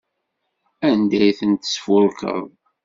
Anda ay ten-tesfurkeḍ?